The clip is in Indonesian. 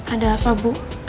ada apa bu